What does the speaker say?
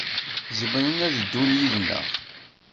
Zemren ad ddun yid-neɣ.